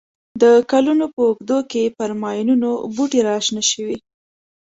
د کلونو په اوږدو کې پر ماینونو بوټي را شنه شوي.